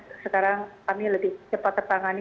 dan sekarang kami lebih cepat tertangani